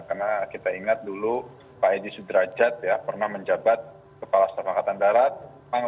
karena kita ingat dulu pak edi sudrajat pernah menjabat kepala setafangkatan darat panglima tni dan juga menhan